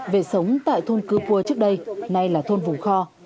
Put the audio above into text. về sống tại thôn cư pua trước đây nay là thôn vùng kho